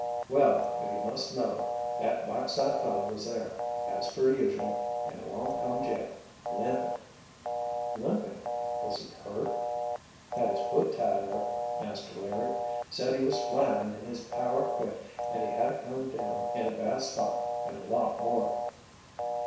"Well, if you must know—that Whiteside feller was there, as per usual, and along come Jeff, limpin'——" "Limping? Was he hurt?" "Had his foot tied up, Master Larry. Said he was flyin' and his power quit and he had to come down in a bad spot and a lot more."